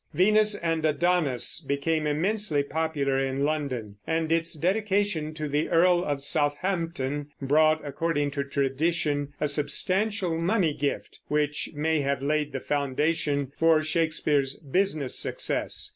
"Venus and Adonis" became immensely popular in London, and its dedication to the Earl of Southampton brought, according to tradition, a substantial money gift, which may have laid the foundation for Shakespeare's business success.